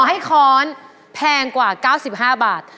ให้ค้อนแพงกว่า๙๕บาท